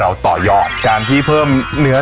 มีใจใจในแต่ละเมนู